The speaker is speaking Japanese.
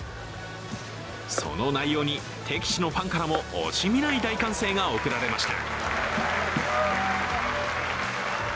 その内容に敵地のファンからも惜しみない大歓声が送られました。